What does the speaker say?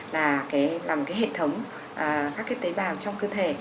là một hệ thống các tế bào trong cơ thể